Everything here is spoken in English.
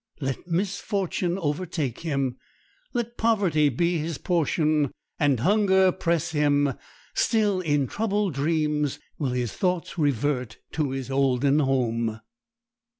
Let misfortune overtake him; let poverty be his portion, and hunger press him; still in troubled dreams will his thoughts revert to his olden home.